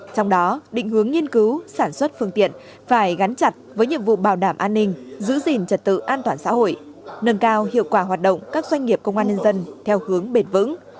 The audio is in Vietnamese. trong đó định hướng nghiên cứu sản xuất phương tiện phải gắn chặt với nhiệm vụ bảo đảm an ninh giữ gìn trật tự an toàn xã hội nâng cao hiệu quả hoạt động các doanh nghiệp công an nhân dân theo hướng bền vững